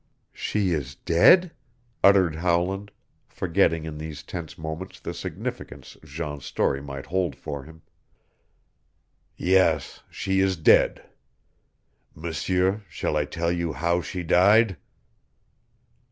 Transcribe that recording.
"She is dead," uttered Howland, forgetting in these tense moments the significance Jean's story might hold for him. "Yes; she is dead. M'seur, shall I tell you how she died?"